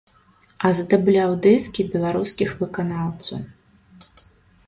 Аздабляў дыскі беларускіх выканаўцаў.